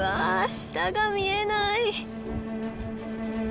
下が見えない！